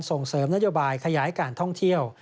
ส่งเสริมนโยบายขยายการท่องเที่ยว